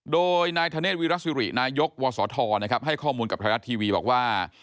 โดยนายธเนธวิรสิรินายกวศธให้ข้อมูลกับไทยรัฐทีวีบอกว่า